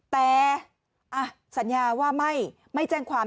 แต่สัญญาว่าไม่แจ้งความ